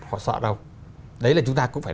họ sợ đâu đấy là chúng ta cũng phải